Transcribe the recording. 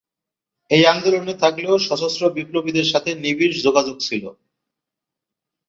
এই আন্দোলনে থাকলেও সশস্ত্র বিপ্লবীদের সাথে নিবিড় যোগাযোগ ছিল।